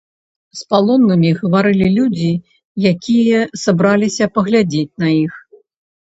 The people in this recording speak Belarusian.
З палоннымі гаварылі людзі, якія сабраліся паглядзець на іх.